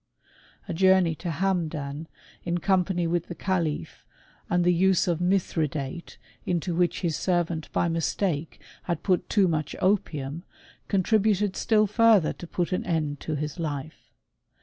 A journey to Hamdan, . in company with the calif, and the use of mithridate, into which his servant by mistake had put too much opium, contributed still fur > tber to put an end to his hfe.